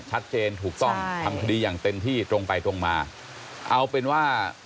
ชัดเจนถูกต้องทำคดีอย่างเต็มที่ตรงไปตรงมาเอาเป็นว่า